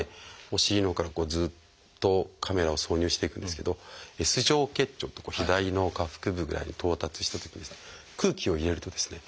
お尻のほうからずっとカメラを挿入していくんですけどＳ状結腸って左の下腹部ぐらいに到達したときに空気を入れるとですね